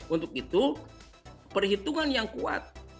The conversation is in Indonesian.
untuk itu perhitungan yang kuat